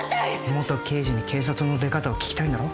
元刑事に警察の出方を聞きたいんだろ？